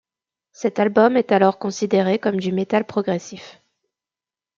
Cet album est alors considéré comme du metal progressif.